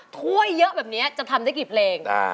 ถ้วยเยอะแบบนี้จะทำได้กี่เพลง